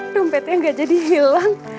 dompetnya gak jadi hilang